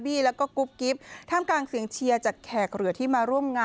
แล้วก็กุ๊บกิ๊บท่ามกลางเสียงเชียร์จากแขกเหลือที่มาร่วมงาน